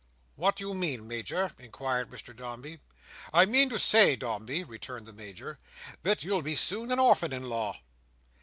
"What do you mean, Major?" inquired Mr Dombey. "I mean to say, Dombey," returned the Major, "that you'll soon be an orphan in law."